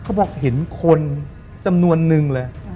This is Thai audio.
เขาบอกเห็นคนจำนวนนึงเลย